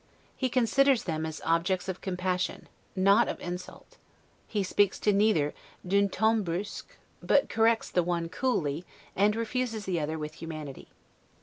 He considers them as objects of compassion, not of insult; he speaks to neither 'd'un ton brusque', but corrects the one coolly, and refuses the other with humanity.